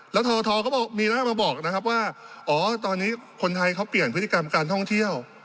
แล้วททเขาบอกมีหน้ามาบอกนะครับว่าอ๋อตอนนี้คนไทยเขาเปลี่ยนพฤติกรรมการท่องเที่ยว